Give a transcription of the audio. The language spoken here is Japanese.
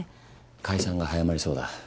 解散が早まりそうだ。